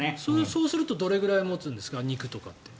そうするとどれぐらい持つんですか？